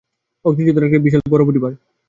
অগ্নিযোদ্ধারা একটা বিশাল বড় পরিবার।